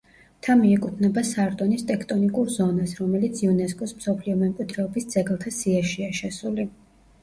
მთა მიეკუთვნება სარდონის ტექტონიკურ ზონას, რომელიც იუნესკოს მსოფლიო მემკვიდრეობის ძეგლთა სიაშია შესული.